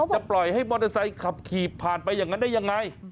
จะปล่อยให้มอเตอร์ไซค์ขับขี่ผ่านไปอย่างนั้นได้ยังไง